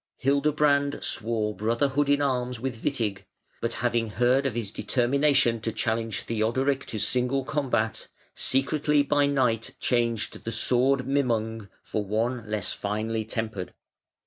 Hildebrand swore "brotherhood in arms" with Witig, but having heard of his determination to challenge Theodoric to single combat, secretly by night changed the sword Mimung for one less finely tempered.